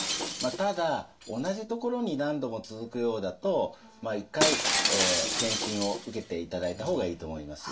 ただ同じところに何度も続くようだと一回検診を受けていただいた方がいいと思います。